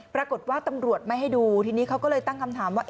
ปรากฏว่าตำรวจไม่ให้ดูทีนี้เขาก็เลยตั้งคำถามว่า